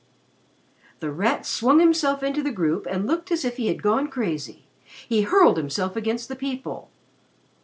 ] The Rat swung himself into the group and looked as if he had gone crazy. He hurled himself against the people.